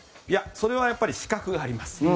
いや、それはやっぱり資格があります。